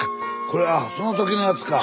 これはその時のやつか。